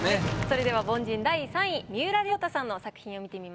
それでは凡人第３位三浦太さんの作品を見てみましょう。